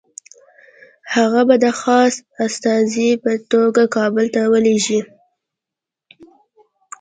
هغه به د خاص استازي په توګه کابل ته ولېږي.